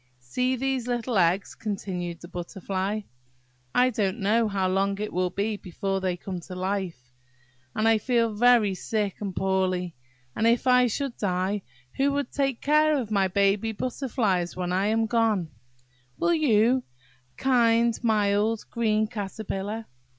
"See these little eggs," continued the Butterfly; "I don't know how long it will be before they come to life, and I feel very sick and poorly, and if I should die, who will take care of my baby butterflies when I am gone? Will you, kind, mild, green Caterpillar?